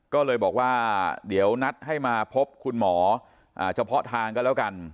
ก็เลยบอกว่าเดี๋ยวนัดให้มาพบคุณหมอเฉพาะทางก็แล้วกัน